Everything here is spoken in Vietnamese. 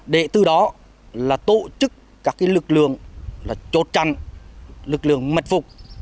để từ đó tổ chức các lực lượng chốt trần lực lượng mật phục